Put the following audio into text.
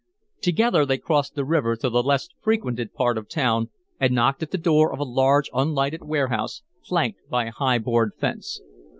Together they crossed the river to the less frequented part of town and knocked at the door of a large, unlighted warehouse, flanked by a high board fence.